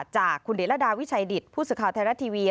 จากคุณเดชน์ละดาวิชัยดิตผู้สุข่าวแทนรัฐทีวี